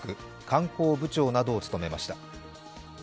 観光部長などを務めました。